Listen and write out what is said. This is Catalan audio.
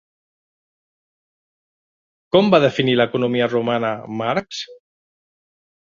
Com va definir l'economia romana Marx?